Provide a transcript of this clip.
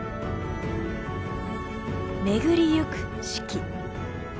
めぐりゆく四季。